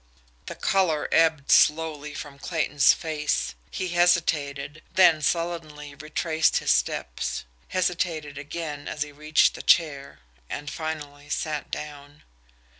The colour ebbed slowly from Clayton's face. He hesitated then sullenly retraced his steps; hesitated again as he reached the chair, and finally sat down.